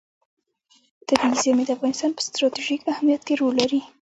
طبیعي زیرمې د افغانستان په ستراتیژیک اهمیت کې رول لري.